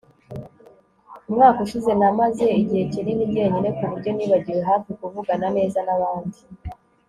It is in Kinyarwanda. Umwaka ushize namaze igihe kinini njyenyine kuburyo nibagiwe hafi kuvugana neza nabandi